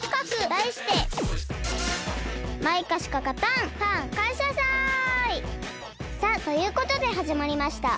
だいしてさあということではじまりました！